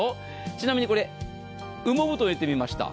ちなみにこれ羽毛布団を入れてみました。